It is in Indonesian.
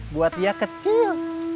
buat dia kecil